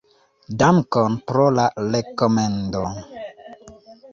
Dankon pro la rekomendo.